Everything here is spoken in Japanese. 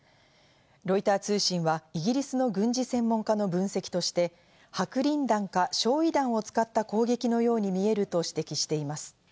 ロイター通信はイギリスの軍事専門家の分析として、白リン弾か焼夷弾を使った攻撃のように見えると指摘しています。